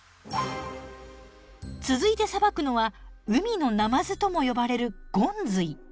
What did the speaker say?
続いてさばくのは海のナマズとも呼ばれるゴンズイ。